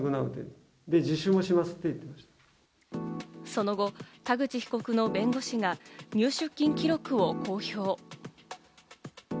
その後、田口被告の弁護士が入出金記録を公表。